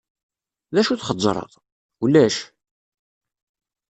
D acu txeẓẓreḍ?" "Ulac.